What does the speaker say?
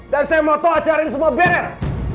dan saya mau tau acara ini semua beres